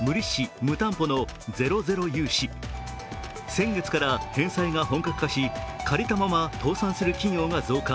先月から返済が本格化し、借りたまま倒産する企業が増加。